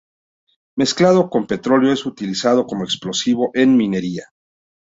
Mezclado con petróleo es utilizado como explosivo en minería.